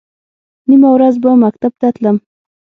نیمه ورځ به مکتب ته تلم.